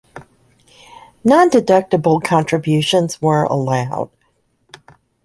Non-deductible contributions were allowed.